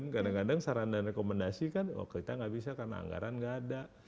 kadang kadang saran dan rekomendasi kan oh kita nggak bisa karena anggaran nggak ada